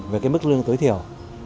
với mức lương tối thiểu